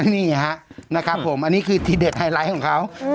นี่ฮะนะครับผมอันนี้คือทีเด็ดไฮไลท์ของเขา